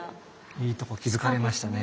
いいとこ気付かれましたね。